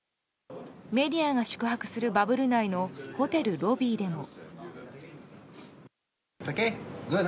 メディアが宿泊するバブル内のホテルロビーでも。